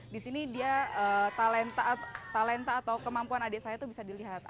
di sini dia talenta atau kemampuan adik saya itu bisa dilihat